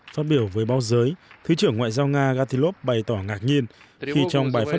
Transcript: phát biểu với báo giới thứ trưởng ngoại giao nga gatilov bày tỏ ngạc nhiên khi trong bài phát